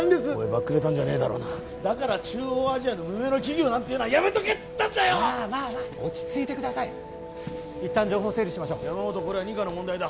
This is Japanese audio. ばっくれたんじゃねえだろうなだから中央アジアの無名の企業なんていうのはやめとけって言ったんだよまあまあまあ落ち着いてくださいいったん情報を整理しましょう山本これは２課の問題だ